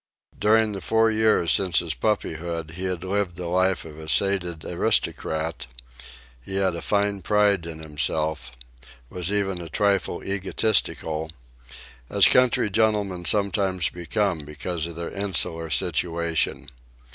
During the four years since his puppyhood he had lived the life of a sated aristocrat; he had a fine pride in himself, was even a trifle egotistical, as country gentlemen sometimes become because of their insular situation.